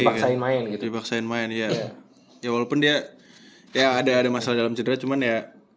main gitu dibaksain main ya ya walaupun dia ya ada ada masalah dalam cedera cuman ya